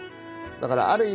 だからある意味